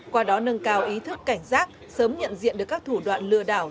qua đó nâng cao ý thức cảnh giác sớm nhận diện được các thủ đoạn lừa đảo